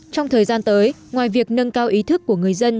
trong thời gian tới ngoài việc nâng cao ý thức của người dân